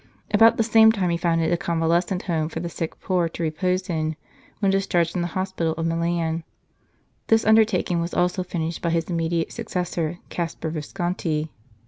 About the same time he founded a convalescent home for the sick poor to repose in when dis charged from the hospital of Milan. This under taking was also finished by his immediate successor, Caspar Visconti.